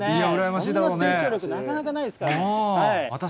こんな成長力、なかなかないですから。